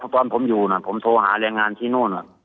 ตอนผมอยู่ผมโทรหาแรงงานที่นู่น